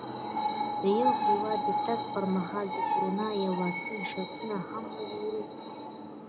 د یو هېواد د تګ پر مهال د کرونا یا واکسین شرطونه هم وګوره.